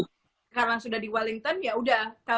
karena sudah di wellington ya udah